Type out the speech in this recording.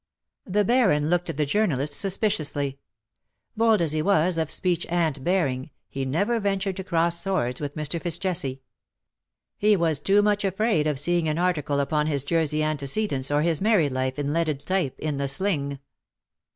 The Baron looked at the journalist suspiciously. Bold as he was of speech and bearings he never ven tured to cross swords with Mr. Fitz Jesse. He was too much afraid of seeing an article upon his Jersey antecedents or his married life in leaded type in the Sling.